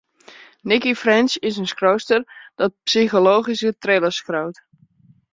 Nicci French is in skriuwerspear dat psychologyske thrillers skriuwt.